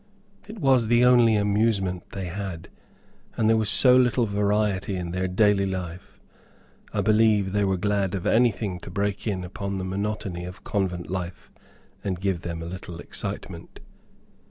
It was the only amusement they had, and there was so little variety in their daily life, I believe they were glad of anything to break in upon the monotony of convent life, and give them a little excitement.